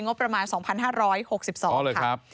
งบประมาณ๒๕๖๒ค่ะ